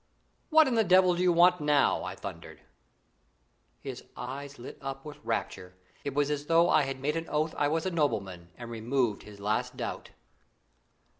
"What in the devil do you want now?" I thundered. His eyes lit up with rapture. It was as though I had made oath I was a nobleman and removed his last doubt.